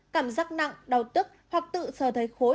cảm giác nặng đau tức hoặc tự sở thấy khối